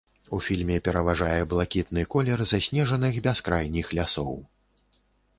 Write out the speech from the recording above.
У фільме пераважае блакітны колер заснежаных бяскрайніх лясоў.